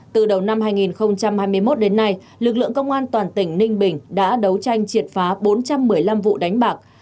từ đầu năm hai nghìn hai mươi một đến nay lực lượng công an toàn tỉnh ninh bình đã đấu tranh triệt phá bốn trăm một mươi năm vụ đánh bạc